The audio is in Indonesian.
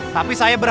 tapi saya berhak